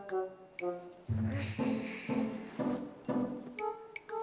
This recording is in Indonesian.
gak mau dikawasi